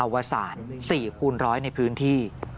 วสาร๔คูณร้อยในพื้นที่